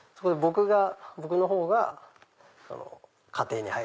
僕の方が家庭に入る。